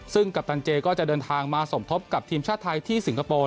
ซึ่งกัปตันเจก็จะเดินทางมาสมทบกับทีมชาติไทยที่สิงคโปร์